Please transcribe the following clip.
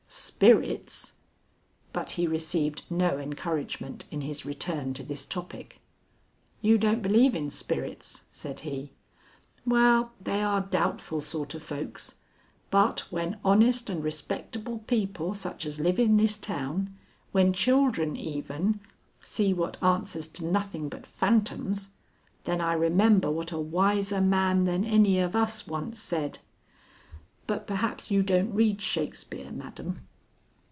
"Spirits " But he received no encouragement in his return to this topic. "You don't believe in spirits?" said he. "Well, they are doubtful sort of folks, but when honest and respectable people such as live in this town, when children even, see what answers to nothing but phantoms, then I remember what a wiser man than any of us once said But perhaps you don't read Shakespeare, madam?"